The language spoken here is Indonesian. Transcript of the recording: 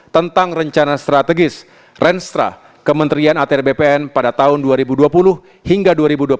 tentang rencana strategis renstra kementerian atr bpn pada tahun dua ribu dua puluh hingga dua ribu dua puluh satu